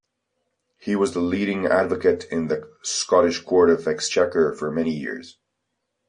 He was the leading advocate in the Scottish court of exchequer for many years.